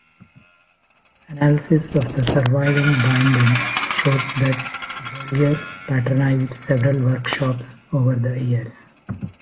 Analysis of the surviving bindings shows that Grolier patronised several workshops over the years.